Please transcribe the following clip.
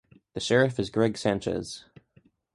The Sheriff is Greg Sanches.